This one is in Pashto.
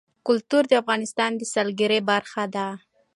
کلتور د افغانستان د سیلګرۍ برخه ده.